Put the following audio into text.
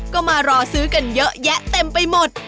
ก็มารอซื้อกันเยอะแยะเต็มไปหมด